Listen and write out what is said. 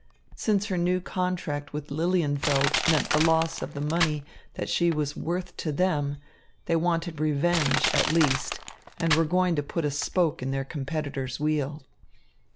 Since her new contract with Lilienfeld meant the loss of the money that she was worth to them, they wanted revenge, at least, and were going to put a spoke in their competitor's wheel.